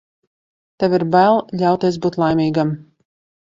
Tev ir bail ļauties būt laimīgam.